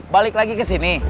balik lagi kesini